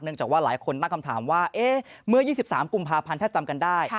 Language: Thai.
จากว่าหลายคนตั้งคำถามว่าเมื่อ๒๓กุมภาพันธ์ถ้าจำกันได้